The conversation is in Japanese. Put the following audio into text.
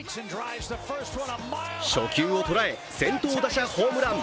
初球を捉え、先頭打者ホームラン。